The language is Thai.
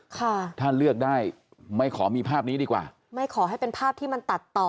ค่ะถ้าเลือกได้ไม่ขอมีภาพนี้ดีกว่าไม่ขอให้เป็นภาพที่มันตัดต่อ